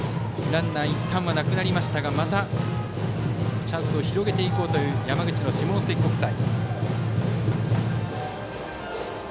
ランナー、いったんはなくなりましたがまたチャンスを広げていこうという山口の下関国際。